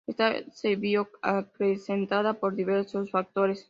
Ésta se vio acrecentada por diversos factores.